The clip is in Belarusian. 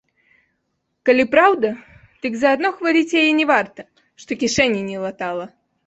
Калі праўда, дык за адно хваліць яе не варта, што кішэні не латала.